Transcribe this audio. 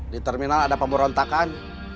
karena ada pemberontakan